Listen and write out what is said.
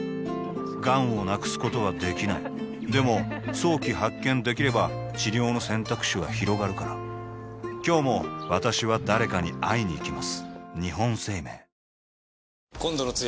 がんを無くすことはできないでも早期発見できれば治療の選択肢はひろがるから今日も私は誰かに会いにいきます